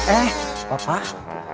eh apa pak